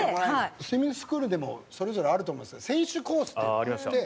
スイミングスクールでもそれぞれあると思うんですけど選手コースっていうのがあって。